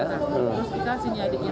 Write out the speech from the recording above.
terus dikasihnya adiknya rp tiga puluh